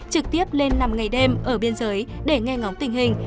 trực tiếp lên nằm ngày đêm ở biên giới để nghe ngóng tình hình